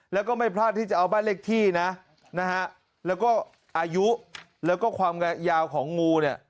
แล้วก็ไม่พลาดที่จะเอาบ้านเลขที่นะนะฮะแล้วก็อายุแล้วก็ความยาวของงูเนี่ย